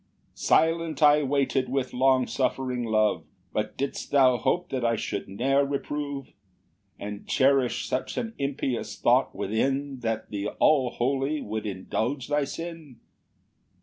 13 "Silent I waited with long suffering love; "But didst thou hope that I should ne'er reprove? "And cherish such an impious thought within, "That the All Holy would indulge thy sin?"